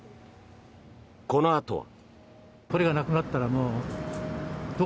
このあとは。